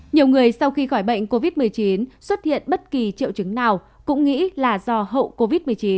nhiều người sau khi khỏi bệnh covid một mươi chín xuất hiện bất kỳ triệu chứng nào cũng nghĩ là do hậu covid một mươi chín